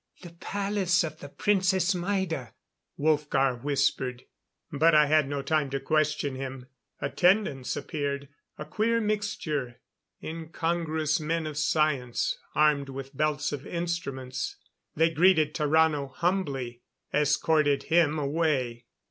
"The palace of the Princess Maida," Wolfgar whispered. But I had no time to question him. Attendants appeared. A queer mixture. Incongruous men of science, armed with belts of instruments. They greeted Tarrano humbly; escorted him away.